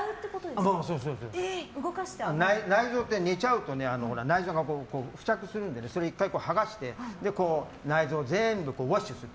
内臓って寝ちゃうと内臓が付着するんで１回剥がして内臓を全部ウォッシュする。